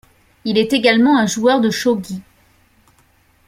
Il est également un joueur de Shōgi.